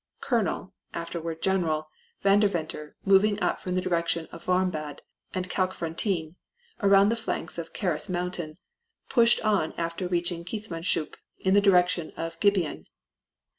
Colonel (afterward General) Vanderventer, moving up from the direction of Warmbad and Kalkfontein, around the flanks of Karas Mountain, pushed on after reaching Keetmanshoop in the direction of Gibeon.